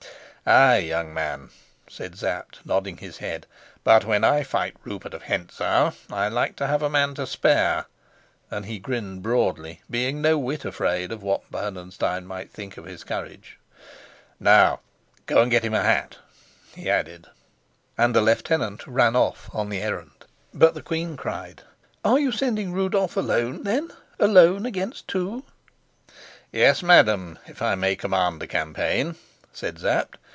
"Ay, young man," said Sapt, nodding his head; "but when I fight Rupert of Hentzau, I like to have a man to spare," and he grinned broadly, being no whit afraid of what Bernenstein might think of his courage. "Now go and get him a hat," he added, and the lieutenant ran off on the errand. But the queen cried: "Are you sending Rudolf alone, then alone against two?" "Yes, madam, if I may command the campaign," said Sapt.